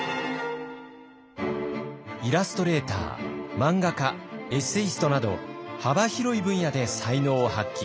イラストレーター漫画家エッセイストなど幅広い分野で才能を発揮。